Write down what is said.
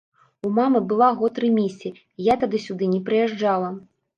У мамы была год рэмісія, я тады сюды не прыязджала.